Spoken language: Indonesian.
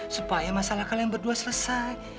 supaya masalah kalian berdua selesai